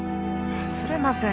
忘れません。